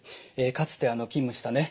かつて勤務したね